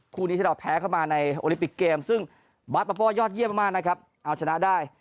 คู่นี้ที่เราแพ้เข้ามาในโอลิปิกเกมซึ่งบาสปะโป้ยอดเยี่ยมมากนะครับเอาชนะได้